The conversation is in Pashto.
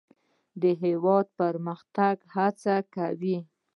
هېواد د پرمختګ هڅه کوي.